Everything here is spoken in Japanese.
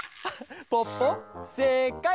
ポッポせいかい！